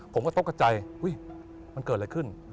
ผมก็ตกกระใจอุ๊ยมันเกิดอะไรขึ้น